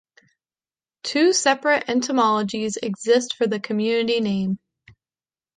Two separate etymologies exist for the community name.